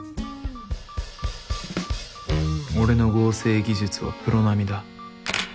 俺の合成技術はプロ並みだ。